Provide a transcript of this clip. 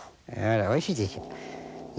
おいしいでしょ。